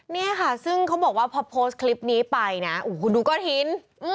เนี่ยค่ะซึ่งเขาบอกว่าพอโพสต์คลิปนี้ไปนะโหดูก็ทิ้น